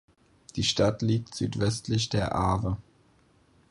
Die Stadt liegt südwestlich der Arve.